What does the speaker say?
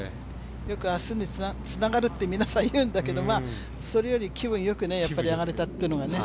よく、明日につながるって皆さん言うんだけどそれより気分良く上がれたっていうのがね。